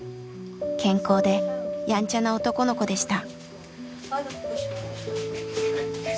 健康でやんちゃな男の子でした。